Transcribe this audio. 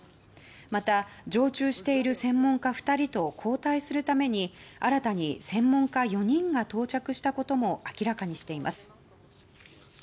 また、常駐している専門家２人と交代するために新たに専門家４人が到着したことも明らかにしています。